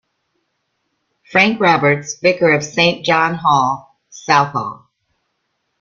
Frank Roberts, vicar of Saint John Hall, Southall.